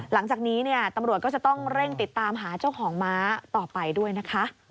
หลังจากนี้เนี่ยตำรวจก็จะต้องเร่งติดตามหาเจ้าของม้าต่อไปด้วยนะคะ